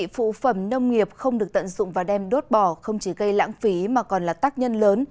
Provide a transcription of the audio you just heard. phụ phẩm nông nghiệp không được tận dụng và đem đốt bỏ không chỉ gây lãng phí mà còn là tác nhân lớn